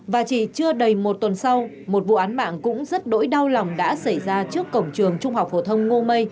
và chỉ chưa đầy một tuần sau một vụ án mạng cũng rất đỗi đau lòng đã xảy ra trước cổng trường trung học phổ thông ngô mây